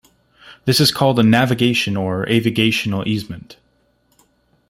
This is called a navigation or avigational easement.